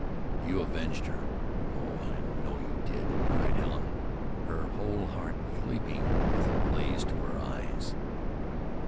"You avenged her! Oh! I know you did!" cried Helen, her whole heart leaping with a blaze to her eyes.